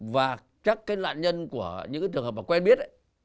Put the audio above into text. và các đạn nhân của những trường hợp quen biết